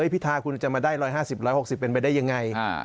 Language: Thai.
พิธากูนึงจะมาได้ล้อย๑๕๑๖๐นิดเป็นไปได้ยังไง